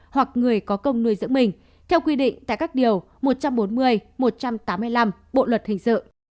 hoặc người có công nuôi dưỡng mình theo quy định tại các điều một trăm bốn mươi một trăm tám mươi năm bộ luật hình sự